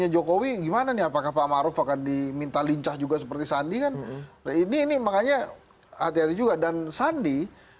jokowi dan sandi